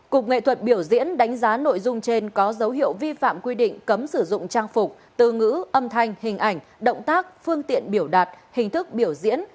cục nghệ thuật biểu diễn đánh giá nội dung trên có dấu hiệu vi phạm quy định cấm sử dụng trang phục từ ngữ âm thanh hình ảnh động tác phương tiện biểu đạt hình thức biểu diễn